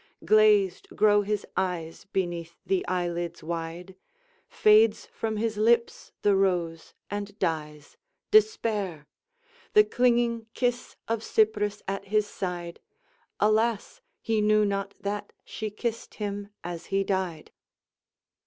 Glazed grow his eyes beneath the eyelids wide; Fades from his lips the rose, and dies Despair! The clinging kiss of Cypris at his side Alas, he knew not that she kissed him as he died!